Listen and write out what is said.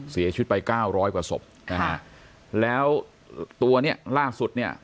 เสียชีวิตไปเก้าร้อยกว่าศพนะฮะแล้วตัวเนี้ยล่าสุดเนี่ย